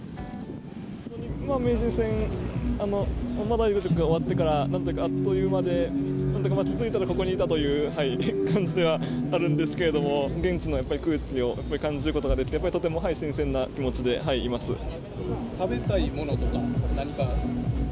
名人戦終わってから、なんというか、あっという間で、気付いたらここにいたという感じではあるんですけれども、現地の、やっぱり空気を感じることができて、やはりとても新鮮な食べたいものとか、何か？